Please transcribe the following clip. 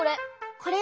これ。